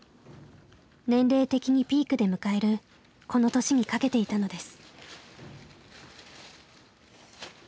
年齢的にピークで迎えるこの年にかけていたのです。